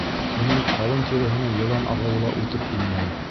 Уның ҡалын тиреһенә йылан ағыуы ла үтеп инмәй.